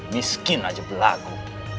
miskin aja berlagu